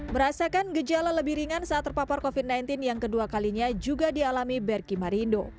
merasakan gejala lebih ringan saat terpapar covid sembilan belas yang kedua kalinya juga dialami berki marindo